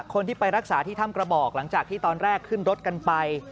คนที่ไปรักษาที่ถ้ำกระบอกหลังจากที่ตอนแรกขึ้นรถกันไป